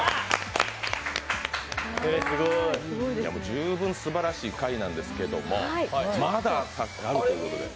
十分すばらしい回なんですけどまだあるということで。